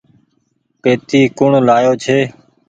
پيتي ڪوڻ لآيو ڇي ۔